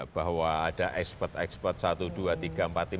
bahwa ada expert expert satu dua tiga empat lima ya tetapi bukan pekerja